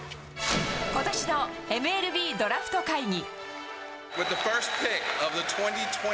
ことしのＭＬＢドラフト会議。